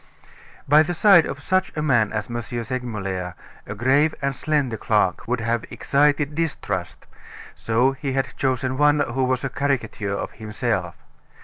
By the side of such a man as M. Segmuller a grave and slender clerk would have excited distrust; so he had chosen one who was a caricature of himself.